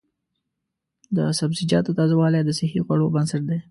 د سبزیجاتو تازه والي د صحي خوړو بنسټ دی.